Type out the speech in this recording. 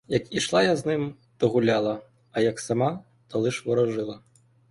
Як ішла я з ним, то гуляла, а як сама, то лиш ворожила.